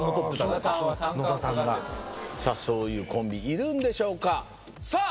そうかさあそういうコンビいるんでしょうかさあ